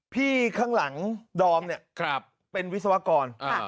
ข้างหลังดอมเนี่ยเป็นวิศวกร